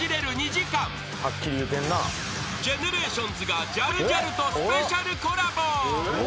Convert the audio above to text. ［ＧＥＮＥＲＡＴＩＯＮＳがジャルジャルとスペシャルコラボ］